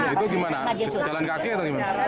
itu di mana jalan kaki atau di mana